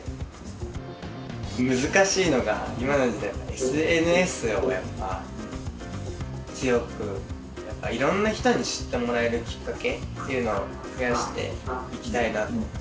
難しいのが今の時代ＳＮＳをやっぱ強くやっぱいろんな人に知ってもらえるきっかけっていうのを増やしていきたいなと。